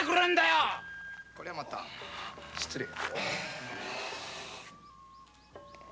こりゃまた失礼。